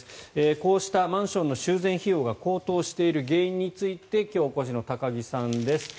こうしたマンションの修繕費用が高騰している原因について今日お越しの高木さんです。